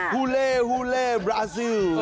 ฮูเล่ฮูเล่บราซิล